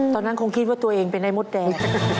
ตอนนั้นคงคิดว่าตัวเองเป็นไอ้มดแดง